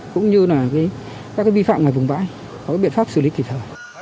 cũng như là các cái vi phạm ngoài vùng bãi có cái biện pháp xử lý kỳ thờ